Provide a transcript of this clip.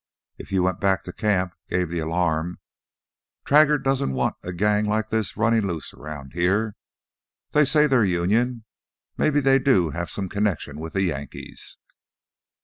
"If you went back to camp, gave the alarm. Traggart doesn't want a gang like this runnin' loose around here. They say they're Union; maybe they do have some connection with the Yankees."